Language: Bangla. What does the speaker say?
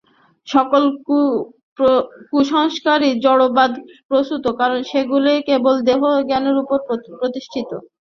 সকল কুসংস্কারই জড়বাদ-প্রসূত, কারণ সেইগুলি কেবল দেহজ্ঞানের উপরই প্রতিষ্ঠিত।